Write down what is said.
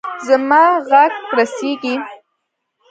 زما ږغ رسیږي.